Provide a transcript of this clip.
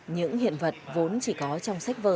những hiện vật vốn chỉ có trong sách bài học